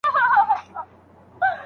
په بل آيت کي الله تعالی فرمايي.